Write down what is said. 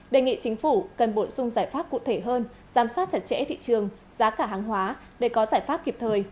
đề nghị chính phủ cần bổ sung giải pháp cụ thể hơn giám sát chặt chẽ thị trường giá cả hàng hóa để có giải pháp kịp thời